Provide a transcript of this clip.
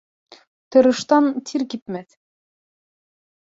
Тырыштан тир кипмәҫ